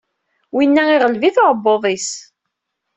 Winna iɣeleb-it uɛebbuḍ-is!